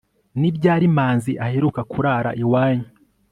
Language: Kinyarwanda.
ni ryari manzi aheruka kurara iwanyu